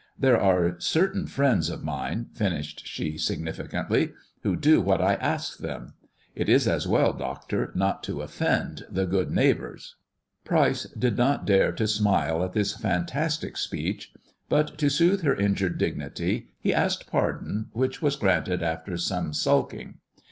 There are certain friends of mine," finished she significantly, "who do what I ask them. It is as well, doctor, not to offend the good neighbours." Pryce did not dare to smile at this fantastic speech, but, to soothe her injured dignity, he asked pardon, which was granted after some sulking.